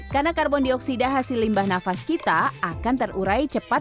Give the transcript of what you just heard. karena karbon dioksida hasil limbah nafas kita akan terurai cepat cepat